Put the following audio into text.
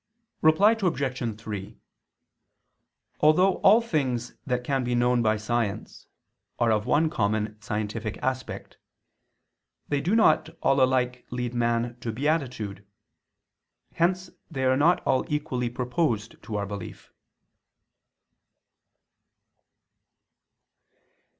Reply Obj. 3: Although all things that can be known by science are of one common scientific aspect, they do not all alike lead man to beatitude: hence they are not all equally proposed to our belief.